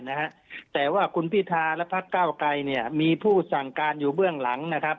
นะแต่ว่าคุณพิธาและพรรดิเก้าไกรมีผู้สั่งการอยู่เบื้องหลัง